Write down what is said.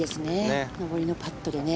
上りのパットでね。